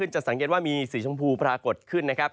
จะสังเกตว่ามีสีชมพูปรากฏขึ้นนะครับ